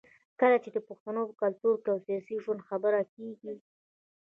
کله چې د پښتون کلتور او سياسي ژوند خبره کېږي